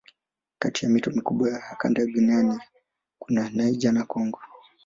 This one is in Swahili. Kati ya mito mikubwa ya kanda Guinea kuna Niger na Kongo.